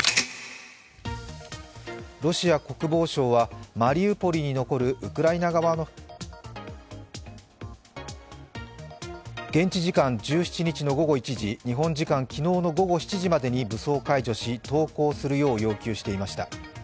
ロシア国防省はマリウポリに残るウクライナ側の現地時間の日本時間昨日午後７時までに武装解除し、武装解除し、投降するよう要求していました。